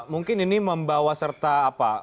mungkin ini membawa serta apa